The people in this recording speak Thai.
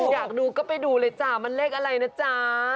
อยากดูก็ไปดูเลยจ้ะมันเลขอะไรนะจ๊ะ